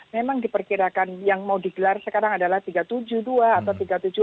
memang diperkirakan yang mau digelar sekarang adalah tiga ratus tujuh puluh dua atau tiga ratus tujuh puluh